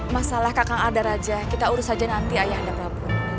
masalah kakang arda raja kita urus saja nanti ayahanda prabu